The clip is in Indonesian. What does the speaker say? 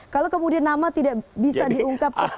kalau kemudian nama tidak bisa diungkap